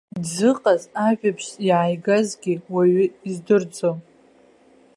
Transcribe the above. Дзыҟаз, ажәабжьс иааигазгьы уаҩы издырӡом.